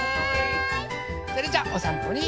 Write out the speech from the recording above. それじゃあおさんぽに。